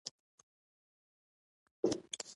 کتابچه کې ستونزې حلېږي